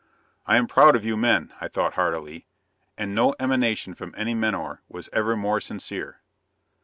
"I am proud of you men!" I thought heartily: and no emanation from any menore was ever more sincere.